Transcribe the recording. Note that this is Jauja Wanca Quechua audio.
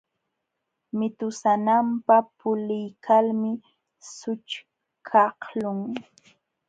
Mitu sananpa puliykalmi sućhkaqlun.